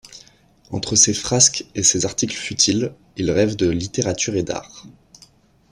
Entre ses frasques et ses articles futiles, il rêve de littérature et d'art.